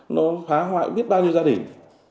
nó phá hoại biết bao nhiêu gia đình